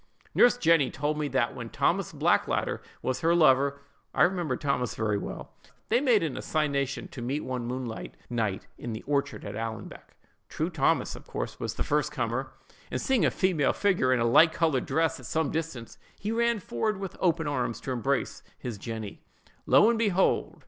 "Nurse Jenny told me that when Thomas Blackadder was her lover (I remember Thomas very well), they made an assignation to meet one moonlight night in the orchard at Allanbank. True Thomas, of course, was the first comer; and, seeing a female figure, in a light colored dress, at some distance, he ran forward with open arms to embrace his Jenny. Lo, and behold!